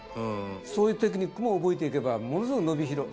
そういうテクニックも覚えていけばものすごく伸びしろ。